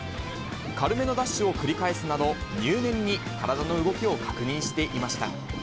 軽めのダッシュを繰り返すなど、入念に体の動きを確認していました。